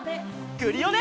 クリオネ！